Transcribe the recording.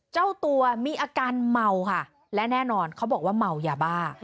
เจ้าตัวมีอาการเมาค่ะและแน่นอนเขาบอกว่าเมายาบ้า